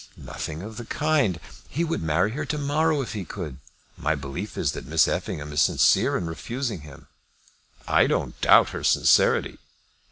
"Nothing of the kind. He would marry her to morrow if he could. My belief is that Miss Effingham is sincere in refusing him." "I don't doubt her sincerity."